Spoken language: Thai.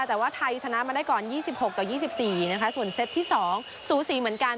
แต่ว่าไทยชนะมาได้ก่อนยี่สิบหกต่อยี่สิบสี่นะคะส่วนเซตที่สองสูสีเหมือนกัน